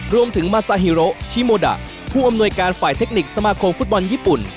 รวมถึงมาซาฮิโรชิโมดะผู้อำนวยการฝ่ายเทคนิคสมาคมฟุตบอลญี่ปุ่น